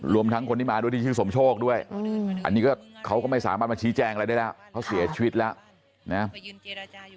ทั้งคนที่มาด้วยที่ชื่อสมโชคด้วยอันนี้ก็เขาก็ไม่สามารถมาชี้แจงอะไรได้แล้วเขาเสียชีวิตแล้วนะ